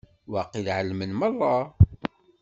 Waqil ɛelmen merra.